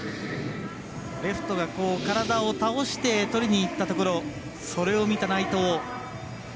レフトが体を倒してとりにいったところそれを見た内藤。